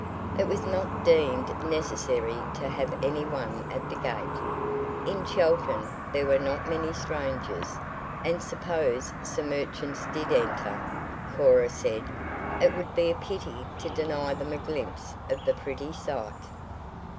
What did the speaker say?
It was not deemed necessary to have any one at the gate. In Chelton there were not many strangers and suppose some urchins did enter, Cora said, it would be a pity to deny them a glimpse of the pretty sight.